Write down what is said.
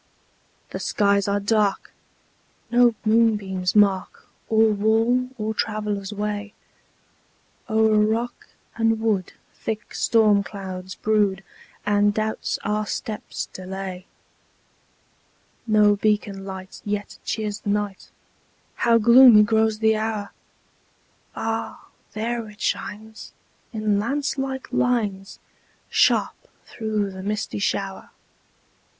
The skies are dark! No moonbeams mark Or wall, or traveller's way: O'er rock and wood thick storm clouds brood, And doubts our steps delay. No beacon light yet cheers the night: How gloomy grows the hour! Ah! there it shines, in lance like lines, Sharp through the misty shower.